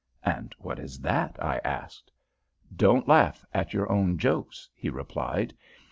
"And what is that?" I asked. "Don't laugh at your own jokes," he replied.